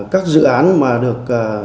các dự án mà được